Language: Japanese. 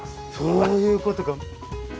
そういうことか。